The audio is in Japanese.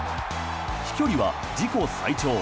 飛距離は自己最長。